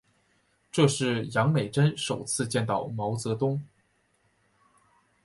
这是杨美真首次见到毛泽东。